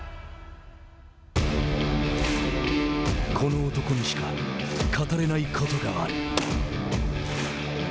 この男にしか語れないことがある。